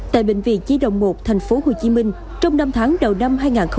tại bệnh viện nhi đồng một tp hcm trong năm tháng đầu năm hai nghìn hai mươi ba